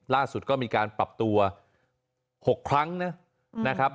ล่าสุดก็มีการปรับตัว๖ครั้งนะครับ